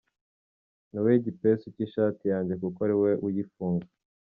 Ni wowe gipesu cy’ishati yajye kuko ari wowe uyifunga.